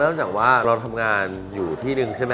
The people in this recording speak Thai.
จากว่าเราทำงานอยู่ที่นึงใช่ไหม